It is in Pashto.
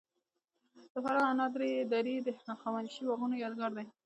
د فراه انار درې د هخامنشي باغونو یادګار دی